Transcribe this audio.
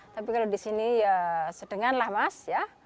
tapi kalau disini ya sedengah lah mas ya